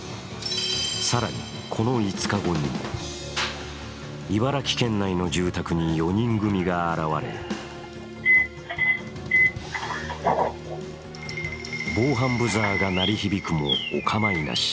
更に、この５日後にも茨城県内の住宅に４人組が現れ、防犯ブザーが鳴り響くもお構いなし。